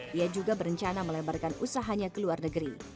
dia juga berencana melebarkan usahanya ke luar negeri